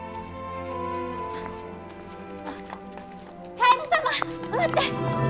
カエル様待って！